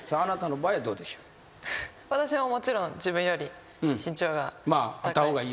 私ももちろん自分より身長が高い。